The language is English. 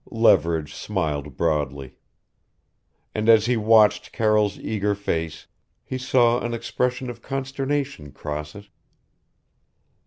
Leverage smiled broadly. And as he watched Carroll's eager face he saw an expression of consternation cross it.